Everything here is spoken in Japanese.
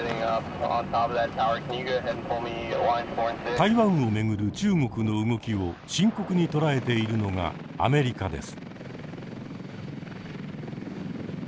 台湾を巡る中国の動きを深刻に捉えているのがアメリカです。